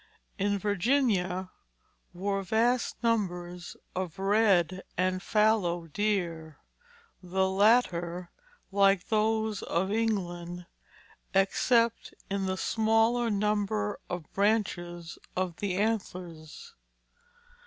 In Virginia were vast numbers of red and fallow deer, the latter like those of England, except in the smaller number of branches of the antlers.